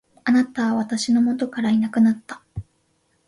貴方は私の元からいなくなった。